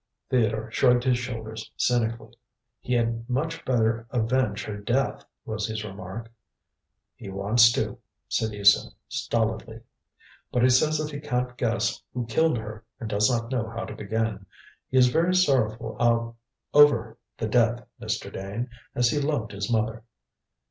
Theodore shrugged his shoulders cynically. "He had much better avenge her death," was his remark. "He wants to," said Isa stolidly; "but he says that he can't guess who killed her, and does not know how to begin. He is very sorrowful over the death, Mr. Dane, as he loved his mother."